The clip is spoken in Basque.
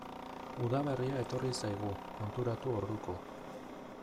Udaberria etorri zaigu, konturatu orduko.